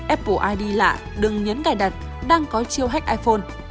apple id lạ đừng nhấn cài đặt đang có chiêu hách iphone